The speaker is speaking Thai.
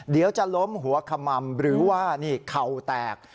เดี๋ยวจะล้มหัวขม่ำหรือว่านี่เข่าแตก